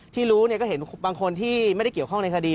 ที่รู้ก็เห็นบางคนที่ไม่ได้เกี่ยวข้องในคดี